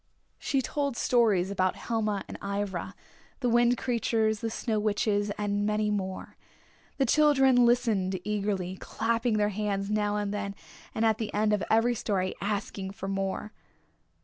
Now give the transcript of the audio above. She told stories about Helma and Ivra, the Wind Creatures, the Snow Witches and many more. The children listened eagerly, clapping their hands now and then, and at the end of every story asking for more.